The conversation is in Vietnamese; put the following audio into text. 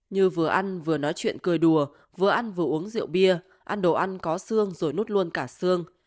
như vừa ăn vừa nói chuyện cười đùa vừa ăn vừa uống rượu bia ăn đồ ăn có xương rồi nút luôn cả xương